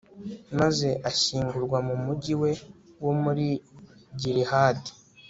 maze ashyingurwa mu mugi we wo muri gilihadi